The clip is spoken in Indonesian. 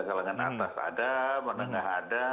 kalangan atas ada menengah ada